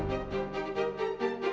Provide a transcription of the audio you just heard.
siap makan tuh